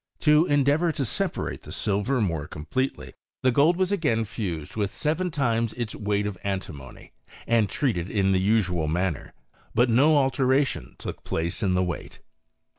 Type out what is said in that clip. To en deavour to separate the silver more completely, the gold was again fused with seven times its weight of antimony, and treated in the usual manner; but no alteration took place in the weight.